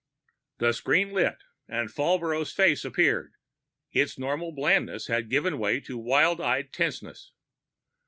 The screen lit and Falbrough's face appeared; its normal blandness had given way to wild eyed tenseness.